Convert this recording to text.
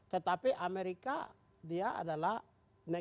tetapi amerika dia adalah negara yang prominent